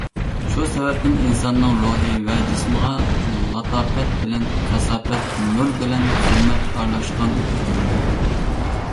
شۇ سەۋەبتىن ئىنساننىڭ روھى ۋە جىسمىغا لاتاپەت بىلەن كاساپەت، نۇر بىلەن زۇلمەت ئارىلاشقان بولىدۇ.